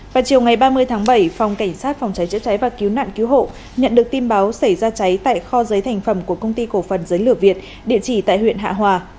vào chiều ngày ba mươi tháng bảy phòng cảnh sát phòng cháy chữa cháy và cứu nạn cứu hộ nhận được tin báo xảy ra cháy tại kho giấy thành phẩm của công ty cổ phần giấy lửa việt địa chỉ tại huyện hạ hòa